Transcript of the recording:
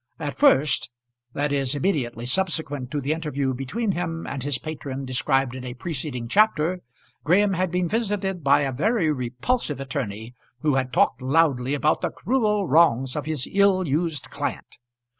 At first, that is immediately subsequent to the interview between him and his patron described in a preceding chapter, Graham had been visited by a very repulsive attorney who had talked loudly about the cruel wrongs of his ill used client.